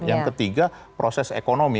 yang ketiga proses ekonomi